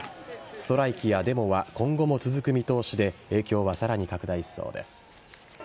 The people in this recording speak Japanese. ストライキやデモは今後も続く見通しで影響はさらに拡大しそうです。